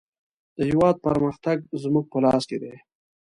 د هېواد پرمختګ زموږ په لاس کې دی.